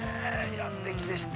◆すてきでした。